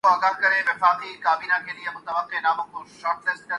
انہیں ٹیم کا کپتان بنایا گیا تو وہ اس کے لیے تیار ہیں